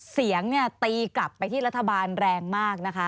เสียงตีกลับไปที่รัฐบาลแรงมากนะคะ